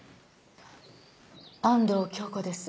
安藤杏子です。